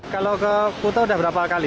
kalau ke kuta udah berapa kali